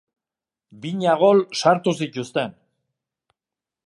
Bina gol sartu zituzten.